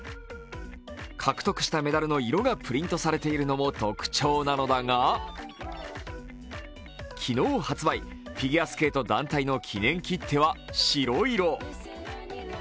獲得したメダルの色がプリントされているのも特徴なのだが、昨日発売、フィギュアスケート団体の記念切手は白色。